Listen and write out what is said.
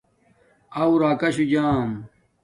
اُو راکاشو جام